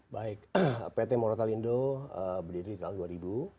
baik pt morat telindo berdiri di tahun dua ribu